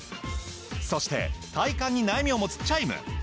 そして体幹に悩みを持つチャイム。